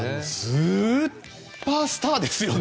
スーパースターですよね。